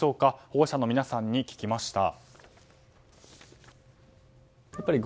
保護者の皆さんに聞きました。